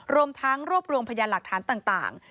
รวมทั้งรวบรวมพยานหลักฐานต่าง